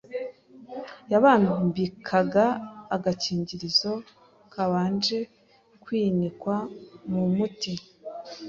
yabambikaga agakingirizo kabanje kwinikwa mu muti,